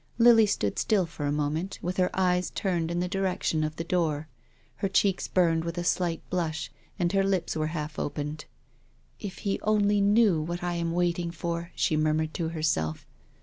Lily stood still for a moment, with her eyes turned in the direction of the door. Iler cheeks burned with a slight blush and her lips were half opened. "If he only knew what I am waiting for !" she murmured to herself.